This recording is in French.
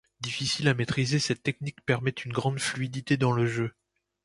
Difficile à maîtriser cette technique permet une grande fluidité dans le jeu.